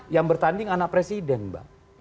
yang bertanding anak presiden mbak